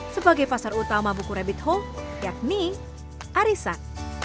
sebagai pasar utama buku rabbit hall yakni arisan